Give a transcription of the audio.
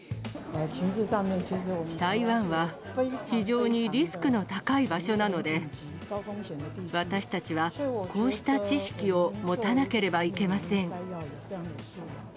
台湾は非常にリスクの高い場所なので、私たちは、こうした知識を持たなければいけません。